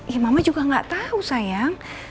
eh mama juga nggak tahu sayang